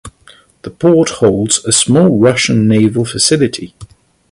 The port holds a small Russian naval facility.